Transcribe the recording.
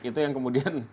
itu yang kemudian